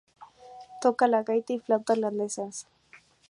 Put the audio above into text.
Toca la gaita y flauta irlandesas.